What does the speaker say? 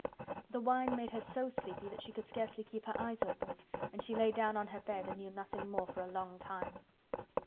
The wine made her so sleepy that she could scarcely keep her eyes open and she lay down on her bed and knew nothing more for a long time.